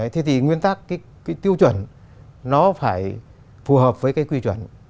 thế thì nguyên tắc cái tiêu chuẩn nó phải phù hợp với cái quy chuẩn